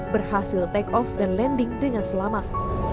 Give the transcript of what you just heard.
berhasil take off dan landing dengan selamat